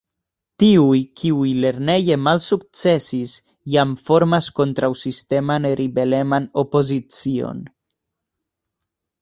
Tiuj, kiuj lerneje malsukcesis, jam formas kontraŭ-sisteman, ribeleman opozicion.